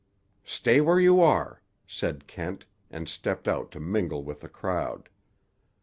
"Stay where you are," said Kent, and stepped out to mingle with the crowd.